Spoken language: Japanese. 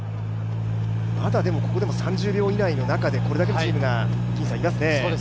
まだここでも３０秒以内の中でこれだけのチームがいますね。